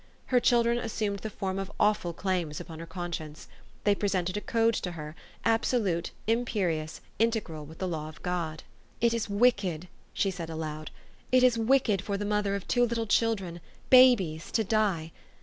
Her children assumed the form of awful claims upon her conscience ; they presented a code to her, absolute, imperious, inte gral with the law of God. "It is wicked " she said aloud, " it is wicked for the mother of two little children babies to die.